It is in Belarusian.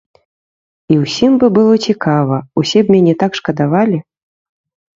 І ўсім бы было цікава, усе б мяне так шкадавалі!